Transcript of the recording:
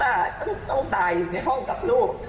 เพราะว่าต้องตายอยู่ในห้องกับลูก